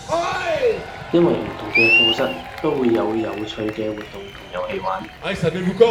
因為唔同嘅課室都會有有趣嘅活動同遊戲玩